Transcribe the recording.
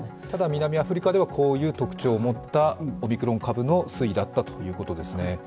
ただ、南アフリカではこういう特徴を持ったオミクロン株の推移だったということです。